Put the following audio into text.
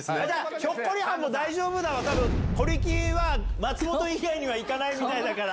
ひょっこりはんも大丈夫だわ、小力は松本以外にはいかないみたいだから。